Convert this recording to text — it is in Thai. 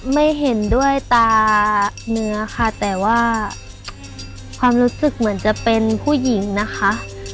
ไม่เห็นด้วยตาเนื้อค่ะแต่ว่าความรู้สึกเหมือนจะเป็นผู้หญิงนะคะ